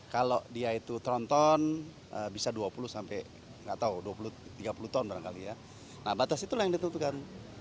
kalau dia itu tron ton bisa dua puluh tiga puluh ton barangkali ya nah batas itu yang ditentukan